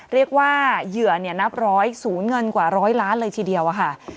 เรียกว่าเหยื่อเนี่ยนับร้อยสูงเงินกว่าร้อยล้านเลยทีเดียวอ่ะค่ะ